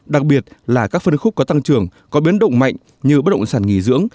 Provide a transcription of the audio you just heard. đặc biệt là các phân khúc có tăng trưởng có biến động mạnh như bất động sản nghỉ dưỡng